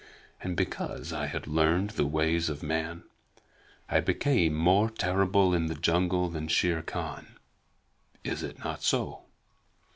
And because I had learned the ways of men, I became more terrible in the jungle than Shere Khan. Is it not so?"